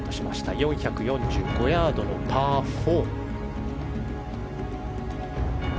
４４５ヤードのパー４。